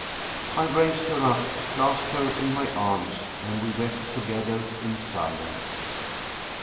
I raised her up, clasped her in my arms and we wept together in silence.